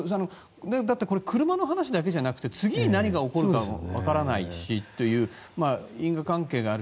だって、車の話だけじゃなくて次に何が起こるか分からないしという因果関係の話。